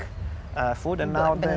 seperti buah banana